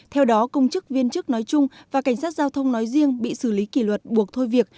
theo đó công chức viên chức nói chung và cảnh sát giao thông nói riêng bị xử lý kỷ luật buộc thôi việc